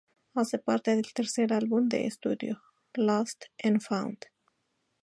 Hace parte del tercer álbum de estudio "Lost and Found".